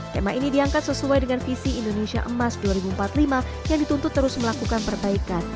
tema ini diangkat sesuai dengan visi indonesia emas dua ribu empat puluh lima yang dituntut terus melakukan perbaikan